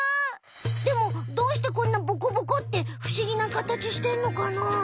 でもどうしてこんなボコボコってふしぎなかたちしてんのかな？